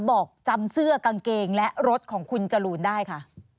บอกจำเสื้อกางเกงและรถของคุณจรูนได้ค่ะ